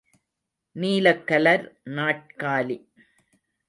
நீலக் colour நாற்காலி.